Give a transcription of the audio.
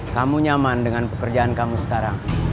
kamu nyaman dengan pekerjaan kamu sekarang